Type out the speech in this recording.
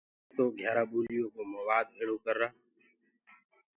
پيلي تو گھيٚيآرآ ٻوليو ڪو موآد ڀيݪو ڪرتآ۔